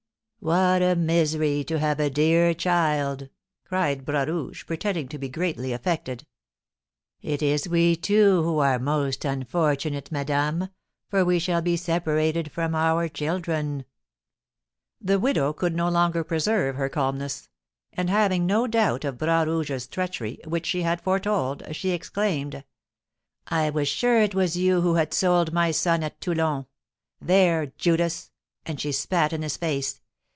"What a misery to have a dear child!" cried Bras Rouge, pretending to be greatly affected. "It is we two who are most unfortunate, madame, for we shall be separated from our children." The widow could no longer preserve her calmness; and having no doubt of Bras Rouge's treachery, which she had foretold, she exclaimed: "I was sure it was you who had sold my son at Toulon. There, Judas!" and she spat in his face.